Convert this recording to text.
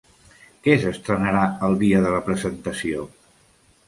Què s'estrenarà el dia de la presentació?